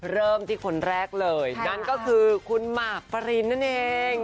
เริ่มที่คนแรกเลยนั่นก็คือคุณหมากปรินนั่นเอง